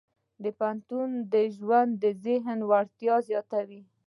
د پوهنتون ژوند د ذهني وړتیاوې زیاتوي.